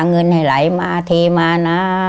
เงินให้ไหลมาเทมานะ